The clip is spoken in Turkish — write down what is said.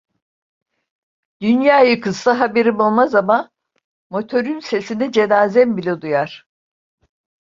Dünya yıkılsa haberim olmaz ama, motörün sesini cenazem bile duyar!